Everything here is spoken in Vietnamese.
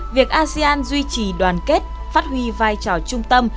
việc asean duy trì đoàn kết phát huy vai trò trung tâm